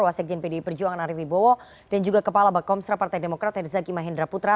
wasekjen pdi perjuangan arief ibowo dan juga kepala bakomstra partai demokrat herzaki mahendra putra